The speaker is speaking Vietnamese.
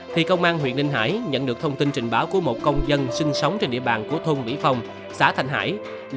thì công an huyện ninh hải nhận được thông tin trình báo của một công dân sinh sống trên địa bàn của thôn mỹ phong xã thành hải